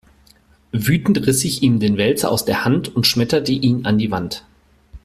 Wütend riss ich ihm den Wälzer aus der Hand und schmetterte ihn an die Wand.